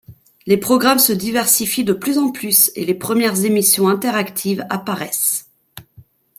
Les programmes se diversifient de plus en plus et les premières émissions interactives apparaissent.